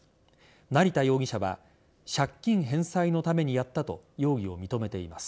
成田容疑者は借金返済のためにやったと容疑を認めています。